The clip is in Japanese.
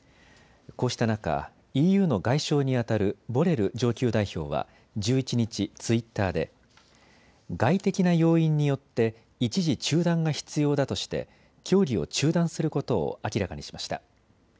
こうした中、ＥＵの外相にあたるボレル上級代表は１１日、ツイッターで外的な要因によって一時、中断が必要だとして協議を中断することを明らかにしました。